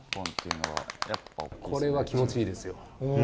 これは気持ちいいですよ。